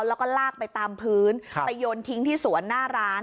แล้วก็ลากไปตามพื้นไปโยนทิ้งที่สวนหน้าร้าน